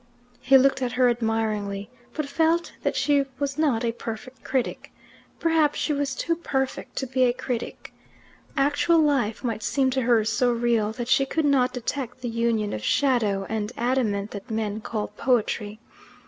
He looked at her admiringly, but felt that she was not a perfect critic. Perhaps she was too perfect to be a critic. Actual life might seem to her so real that she could not detect the union of shadow and adamant that men call poetry.